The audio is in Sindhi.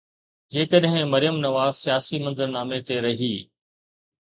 جيڪڏهن مريم نواز سياسي منظرنامي تي رهي.